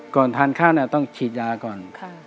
ก่อนทานข้าวต้องฉีดยาก่อน